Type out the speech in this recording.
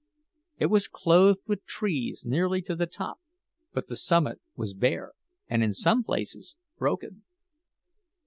It was clothed with trees nearly to the top; but the summit was bare, and in some places broken.